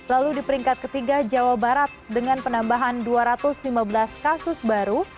lalu di peringkat ketiga jawa barat dengan penambahan dua ratus lima belas kasus baru